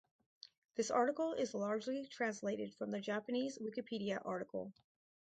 This article is largely translated from the Japanese Wikipedia article.